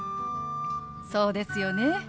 そうですよね。